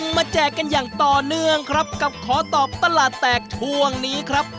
แจกกันอย่างต่อเนื่องครับกับขอตอบตลาดแตกช่วงนี้ครับ